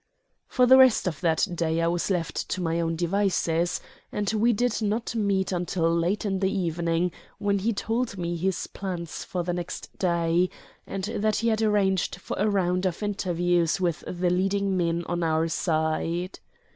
For the rest of that day I was left to my own devices, and we did not meet until late in the evening, when he told me his plans for the next day, and that he had arranged for a round of interviews with the leading men on our side.